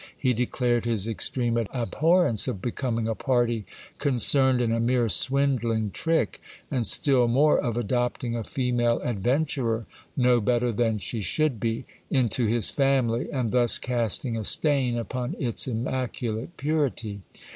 He declared his extreme abhorrence of becoming a party concerned in a mere swindling trick, and still more of adopting a female adventurer, no better than she should be, into his family, and thus casting a stain upon its immaculate purity.